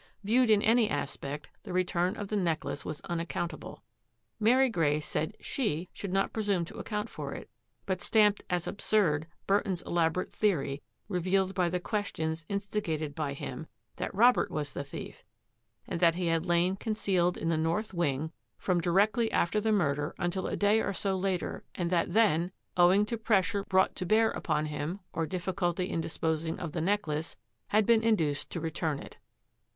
Viewed in any aspect, the return of the necklace was unaccount able. Mary Grey said she should not presume to account for it, but stamped as absurd Burton's elaborate theory, revealed by the questions in stigated by him, that Robert was the thief and that he had lain concealed in the north wing from di 19* THAT AFFAIR AT THE MANOR rectly after the murder until a day or so faiiery and that then, owing to pressure brought to bear upon him or difficulty in disposing of the necklace, had been induced to return it.